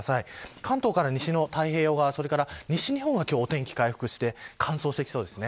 関東から西の太平洋側西日本はお天気が回復して乾燥してきそうです。